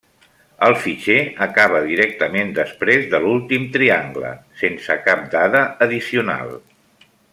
El fitxer acaba directament després de l'últim triangle, sense cap dada addicional.